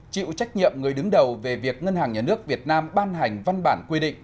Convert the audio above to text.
chịu trách nhiệm người đứng đầu về việc ngân hàng nhà nước việt nam ban hành văn bản quy định